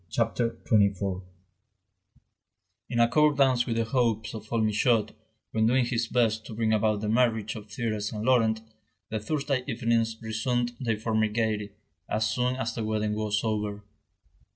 CHAPTER XXIV In accordance with the hopes of old Michaud, when doing his best to bring about the marriage of Thérèse and Laurent, the Thursday evenings resumed their former gaiety, as soon as the wedding was over.